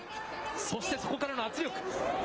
そしてそこからの圧力。